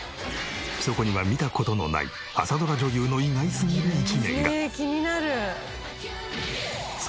そこには見た事のない朝ドラ女優の意外すぎる一面が！